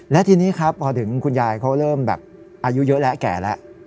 และทีนี้พอถึงคุณยายเขาเริ่มอายุเยอะแหละแก่แล้ว